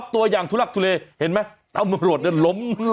ช่วยเจียมช่วยเจียม